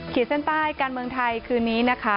เส้นใต้การเมืองไทยคืนนี้นะคะ